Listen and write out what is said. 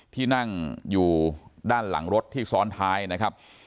ที่นั่งอยู่ด้านหลังรถที่ซ้อนท้ายนะครับ